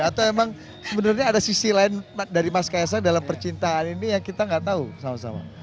atau emang sebenarnya ada sisi lain dari mas kaisang dalam percintaan ini yang kita nggak tahu sama sama